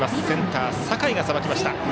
センター、酒井がさばきました。